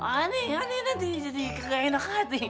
aneh aneh nanti jadi kagak enak hati